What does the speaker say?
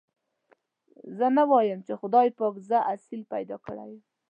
زه نه وايم چې خدای پاک زه اصيل پيدا کړي يم.